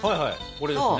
これですね。